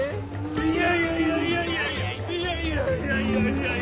いやいやいやいやいやいや。